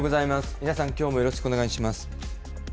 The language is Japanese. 皆さんきょうもよろしくお願いいたします。